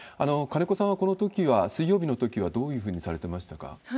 金子さんはこのときは、水曜日のときはどういうふうにされてましたか？